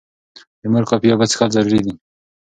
د مور کافي اوبه څښل ضروري دي.